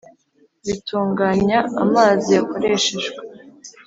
Bitunganya amazi yakoreshejwe